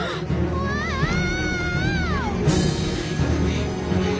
うわあああ！